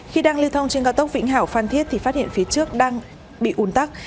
khi đang lưu thông trên cao tốc vĩnh hảo phan thiết thì phát hiện phía trước đang bị un tắc